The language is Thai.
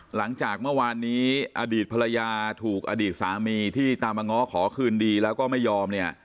หลังจากเมื่อวานนี้อดีตภรรยาถูกอดีตสามีที่ตามมาง้อขอคืนดีแล้วก็ไม่ยอมเนี่ย